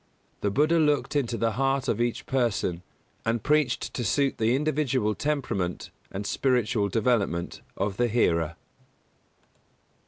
The Buddha looked into the heart of each person, and preached to suit the individual temperament and spiritual development of the hearer.